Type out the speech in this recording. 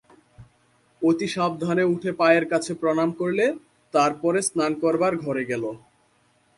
অতি সাবধানে উঠে পায়ের কাছে প্রণাম করলে, তার পরে স্নান করবার ঘরে গেল।